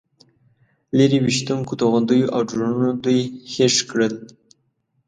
لرې ویشتونکو توغندیو او ډرونونو دوی هېښ کړل.